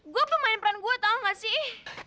gua pemain peran gua tau gak sih